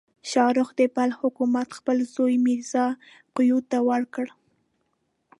شاهرخ د بلخ حکومت خپل زوی میرزا قیدو ته ورکړ.